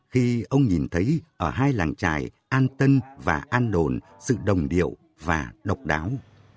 khi ông nhìn thấy ở hai làng trài an tân và an đồn sự đồng điệu và độc đáo